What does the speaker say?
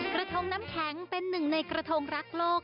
กระทงน้ำแข็งเป็นหนึ่งในกระทงรักโลก